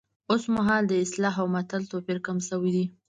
اوس مهال د اصطلاح او متل توپیر کم شوی دی